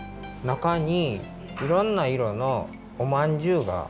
なかにいろんないろのおまんじゅうが。